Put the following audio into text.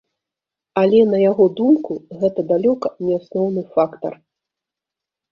Але на яго думку, гэта далёка не асноўны фактар.